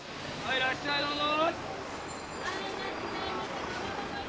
いらっしゃいどうぞ！